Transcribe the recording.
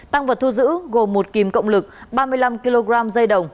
tăng vật thu giữ gồm một kìm cộng lực ba mươi năm kg dây đồng